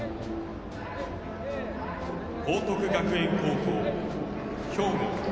報徳学園高校・兵庫。